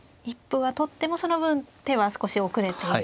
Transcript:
一歩は取ってもその分手は少し遅れて。